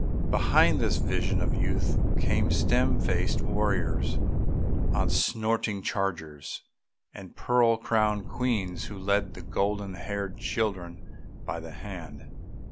Behind this vision of youth came stern faced warriors on snorting chargers, and pearl crowned queens who led golden haired children by the hand.